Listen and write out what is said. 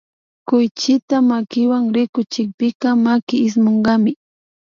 Kuychita makiwan rikuchikpika maki ismunkami